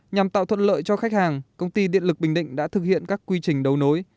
nhằm tạo thuận lợi cho khách hàng công ty điện lực bình định đã thực hiện các quy trình đấu nối